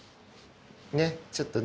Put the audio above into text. ねっちょっとね。